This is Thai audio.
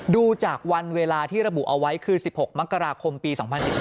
ดูจากวันเวลาที่ระบุเอาไว้คือ๑๖มกราคมปี๒๐๑๙